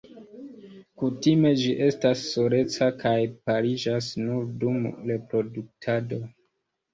Kutime ĝi estas soleca kaj pariĝas nur dum reproduktado.